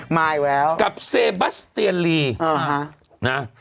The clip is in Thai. มาอีกแล้วกับเซบัสเตียนลีนะ